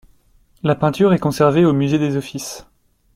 La Peinture est conservée au musée des Offices.